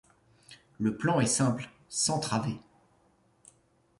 Le plan est simple, sans travée.